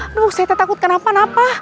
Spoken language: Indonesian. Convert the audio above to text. aduh saya takut kenapa napa